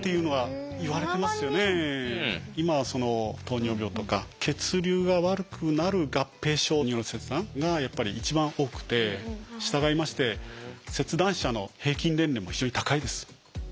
今はその糖尿病とか血流が悪くなる合併症による切断が一番多くて従いまして切断者の平均年齢も非常に高いです。